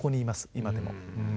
今でも。